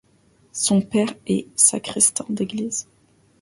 Son père est sacristain d'église.